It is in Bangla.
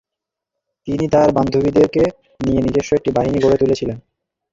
তিনি তার বান্ধবীদেরকে নিয়ে নিজস্ব একটি বাহিনী গড়ে তুলেছিলেন।